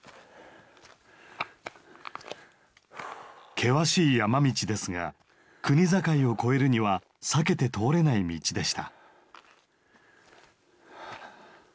険しい山道ですが国境を越えるには避けて通れない道でした。